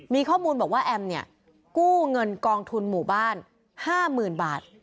มีข้อมูลบอกว่าแอมเนี่ยกู้เงินกองทุนหมู่บ้าน๕๐๐๐บาท